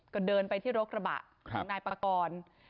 ก็เดินไปที่รถกระบะของนายปากร